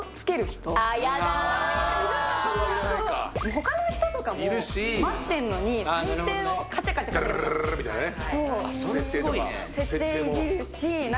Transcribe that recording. ほかの人とかも待ってんのに採点をカチャカチャダルルルみたいなね